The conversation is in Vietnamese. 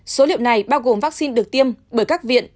số liệu này bao gồm vaccine được tiêm bởi các viện